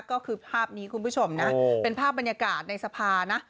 ก็คือภาพนี้คุณผู้ชมนะเป็นภาพบรรยากาศในสภานะ